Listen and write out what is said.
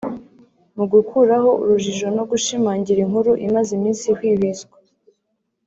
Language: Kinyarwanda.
Mu gukuraho urujijo no gushimangira inkuru imaze iminsi ihwihwiswa